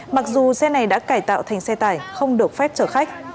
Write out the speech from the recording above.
mặc dù xe này đã cải tạo thành xe tải không được phép chở khách